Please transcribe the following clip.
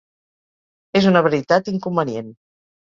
És una veritat inconvenient.